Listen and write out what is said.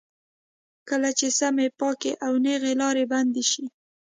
کله چې سمې، پاکې او نېغې لارې بندې شي.